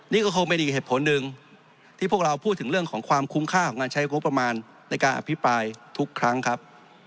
นี่ก็คงเป็นอีกเหตุผลหนึ่งที่พวกเราพูดถึงเรื่องของความคุ้มค่าของการใช้งบประมาณในการอภิปรายทุกครั้งครับ